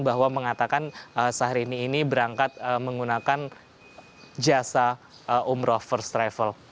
bahwa mengatakan syahrini ini berangkat menggunakan jasa umroh first travel